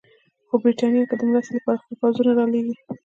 خو برټانیه که د مرستې لپاره خپل پوځونه رالېږي.